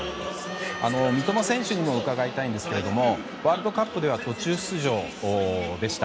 三笘選手にも伺いたいんですがワールドカップでは途中出場でした。